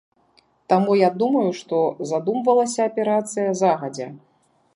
Таму я думаю, што задумвалася аперацыя загадзя.